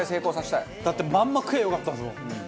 だってまんま食えばよかったんですもん。